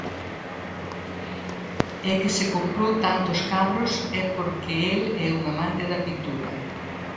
E que se comprou tantos cadros é porque el é un amante da pintura.